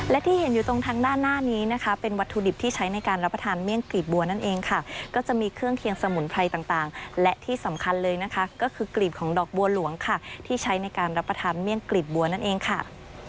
และที่เห็นอยู่ตรงทางด้านหน้านี้นะคะเป็นวัตถุดิบที่ใช้ในการรับประทานเมี่ยงกลีบบัวนั่นเองค่ะก็จะมีเครื่องเคียงสมุนไพรต่างและที่สำคัญเลยนะคะก็คือกลีบของดอกบัวหลวงค่ะที่ใช้ในการรับประทานเมี่ยงกลีบบัวนั่นเองค่ะ